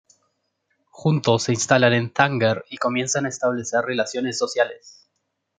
Juntos se instalan en Tánger y comienzan a establecer relaciones sociales.